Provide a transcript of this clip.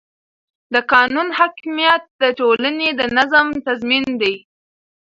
د قانون حاکمیت د ټولنې د نظم تضمین دی